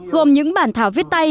gồm những bản thảo viết tay